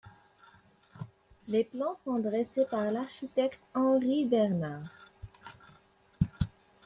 Les plans sont dressés par l’architecte Henry Bernard.